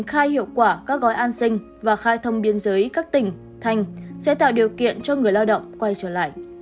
khai hiệu quả các gói an sinh và khai thông biên giới các tỉnh thành sẽ tạo điều kiện cho người lao động quay trở lại